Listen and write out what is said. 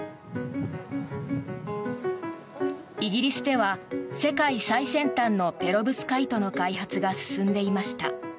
イギリスでは世界最先端のペロブスカイトの開発が進んでいました。